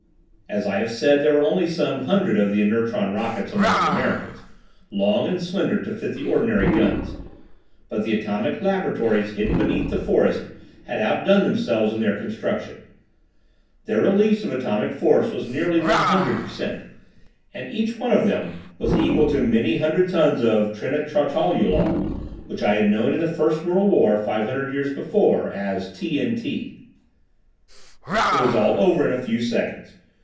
As I have said, there were only some hundred of the inertron rockets among the Americans, long and slender, to fit the ordinary guns, but the atomic laboratories hidden beneath the forests, had outdone themselves in their construction. Their release of atomic force was nearly 100 per cent, and each one of them was equal to many hundred tons of trinitrotoluol, which I had known in the First World War, five hundred years before, as "T.N.T." It was all over in a few seconds.